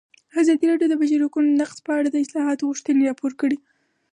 ازادي راډیو د د بشري حقونو نقض په اړه د اصلاحاتو غوښتنې راپور کړې.